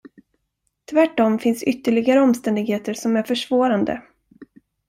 Tvärtom finns ytterligare omständigheter som är försvårande.